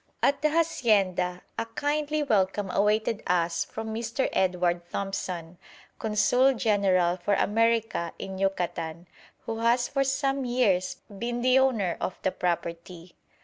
At the hacienda a kindly welcome awaited us from Mr. Edward Thompson, Consul General for America in Yucatan, who has for some years been the owner of the property.